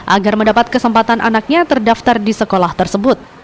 agar mendapat kesempatan anaknya terdaftar di sekolah tersebut